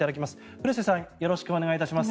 古瀬さんよろしくお願いいたします。